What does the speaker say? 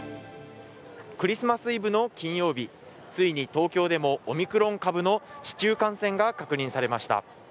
クリスマスイブの金曜日、ついに東京でもオミクロン株の市中感染が確認されました。